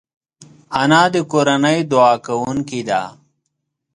انا د کورنۍ دعا کوونکې ده